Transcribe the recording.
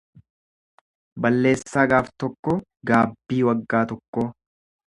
Balleessaa gaaf tokkoo gaabbii waggaa tokkoo.